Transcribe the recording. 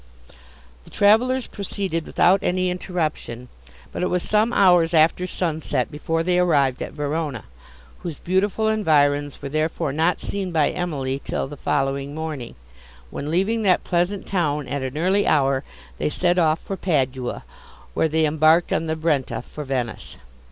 The travellers proceeded without any interruption; but it was some hours after sunset before they arrived at Verona, whose beautiful environs were therefore not seen by Emily till the following morning; when, leaving that pleasant town at an early hour, they set off for Padua, where they embarked on the Brenta for Venice.